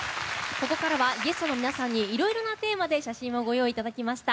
ここからは、ゲストの皆さんにいろいろなテーマで写真をご用意いただきました。